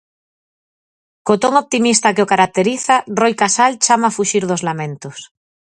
Co ton optimista que o caracteriza Roi Casal chama a fuxir dos "lamentos".